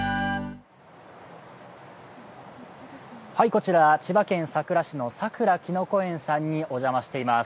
こちら、千葉県佐倉市の佐倉きのこ園さんにお邪魔しています。